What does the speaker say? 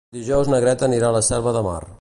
Dijous na Greta anirà a la Selva de Mar.